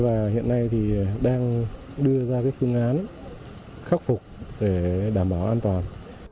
và hiện nay thì đang đưa ra phương án khắc phục để đảm bảo an toàn